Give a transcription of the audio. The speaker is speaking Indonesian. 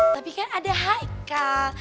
tapi kan ada haikal